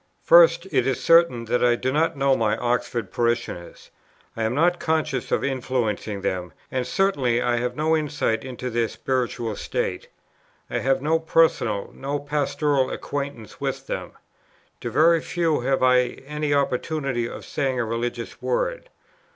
"First, it is certain that I do not know my Oxford parishioners; I am not conscious of influencing them, and certainly I have no insight into their spiritual state. I have no personal, no pastoral acquaintance with them. To very few have I any opportunity of saying a religious word.